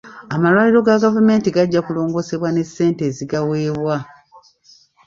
Amalwaliro ga gavumenti gajja kulongoosebwa ne ssente ezigaweebwa.